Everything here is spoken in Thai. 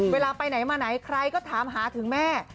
เวลาไปไหนมาไหนใครก็ถามหาถึงแม่